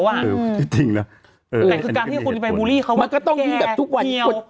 แต่คือการที่คุณไปบูรีเขาว่าแก่เหนียว